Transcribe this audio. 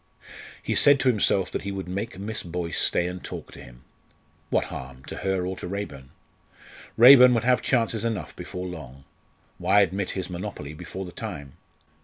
He said to himself that he would make Miss Boyce stay and talk to him. What harm to her or to Raeburn? Raeburn would have chances enough before long. Why admit his monopoly before the time?